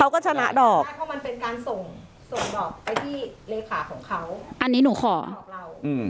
มันเป็นการส่งส่งดอกไปที่เลขาของเขาอันนี้หนูขออืม